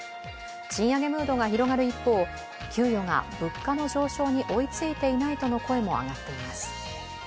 賃上げムードが広がる一方、給与が物価の上昇に追いついていないとの声も上がっています。